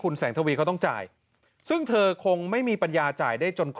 มันเกิน๖๐๐บาท